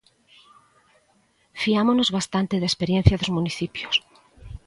Fiámonos bastante da experiencia dos municipios.